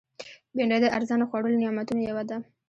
بېنډۍ د ارزانه خوړو له نعمتونو یوه ده